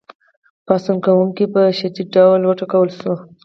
پاڅون کوونکي په شدید ډول وټکول شول.